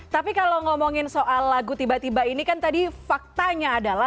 tapi kalau ngomongin soal lagu tiba tiba ini kan tadi faktanya adalah